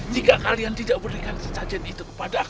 jika kalian tidak berikan kesajian itu kepada aku